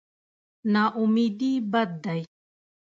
نااميدي بد دی.